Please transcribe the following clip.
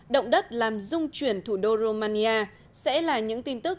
động đất làm dung chuyển thủ đô romania sẽ là những tin tức